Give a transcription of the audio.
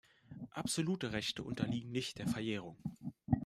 Absolute Rechte unterliegen nicht der Verjährung.